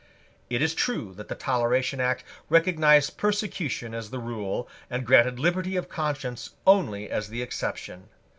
It is true that the Toleration Act recognised persecution as the rule, and granted liberty of conscience only as the exception.